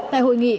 tại hội nghị